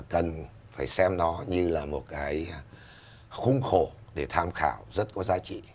cần phải xem nó như là một cái khung khổ để tham khảo rất có giá trị